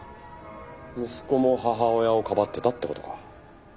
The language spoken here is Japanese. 息子も母親を庇ってたって事か。